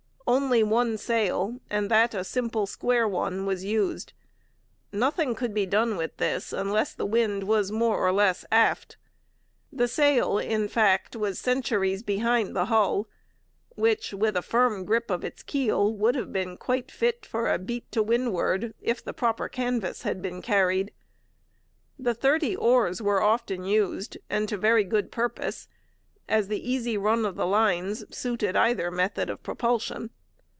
Only one sail, and that a simple square one, was used. Nothing could be done with this unless the wind was more or less aft. The sail, in fact, was centuries behind the hull, which, with the firm grip of its keel, would have been quite fit for a beat to windward, if the proper canvas had been carried. The thirty oars were often used, and to very good purpose, as the easy run of the lines suited either method of propulsion.